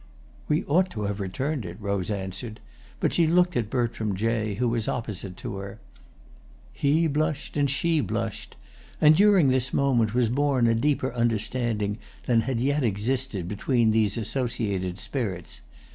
"We ought to have returned it," Rose answered; but she looked at Bertram Jay, who was opposite to her. He blushed, and she blushed, and during this moment was born a deeper understanding than had yet existed between these associated spirits.